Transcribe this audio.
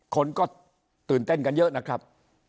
คนก็ตื่นเต้นกันเยอะนะครับ